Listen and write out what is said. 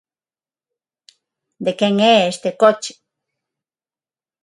"De quen é este coche"."